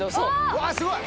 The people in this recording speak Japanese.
うわすごい！